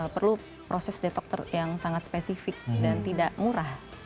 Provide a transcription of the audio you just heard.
perlu proses detokter yang sangat spesifik dan tidak murah